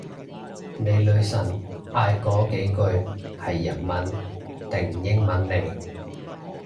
你女神嗌嗰幾句係日文定英文嚟？